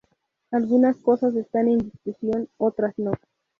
Algunas cosas están en discusión, otras no.